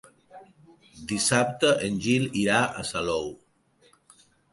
Dissabte en Gil irà a Salou.